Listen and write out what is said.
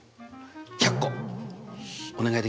１００個お願いできる？